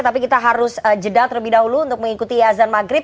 tapi kita harus jeda terlebih dahulu untuk mengikuti azan maghrib